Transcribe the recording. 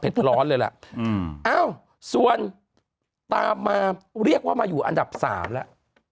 ร้อนเลยล่ะอืมอ้าวส่วนตามมาเรียกว่ามาอยู่อันดับสามแล้ว